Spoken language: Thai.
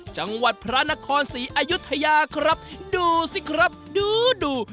จังหวัดพระนครศรีอายุทยาครับดูสิครับดูดู